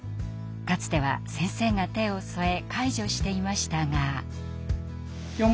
かつては先生が手を添え介助していましたが。